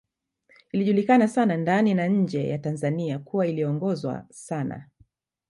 Ilijulikana sana ndani na nje ya Tanzania kuwa iliongozwa sana